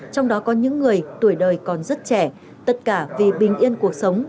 trong đó có những người tuổi đời còn rất trẻ tất cả vì bình yên cuộc sống